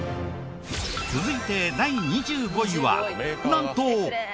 続いて第２５位はなんと。